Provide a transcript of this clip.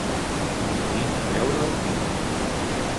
Vinc a veure el pis.